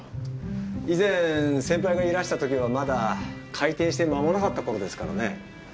以前先輩がいらしたときはまだ開店して間もなかったころですからね。